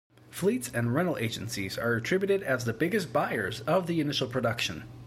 Fleets and rental agencies are attributed as the biggest buyers of the initial production.